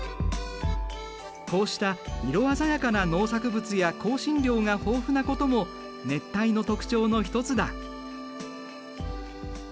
こうした色鮮やかな農作物や香辛料が豊富なことも熱帯の特徴の一つだ。